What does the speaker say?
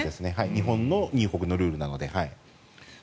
日本の入国のルールなので。